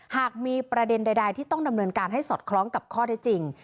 หากมีประเด็นใดที่ต้องดำเนินการให้สอดคล้องกับข้อได้จริง